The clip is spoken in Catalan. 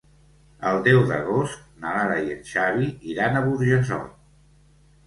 El deu d'agost na Lara i en Xavi iran a Burjassot.